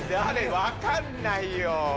分かんないよ。